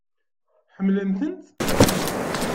Ḥemmlent-tent?